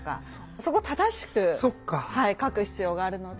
そこは正しく書く必要があるので。